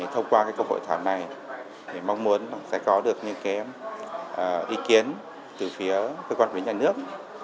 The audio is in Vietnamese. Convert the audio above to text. thông qua cơ hội thảo này mình mong muốn sẽ có được những ý kiến từ phía cơ quan của nhà nước